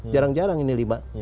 jarang jarang ini lima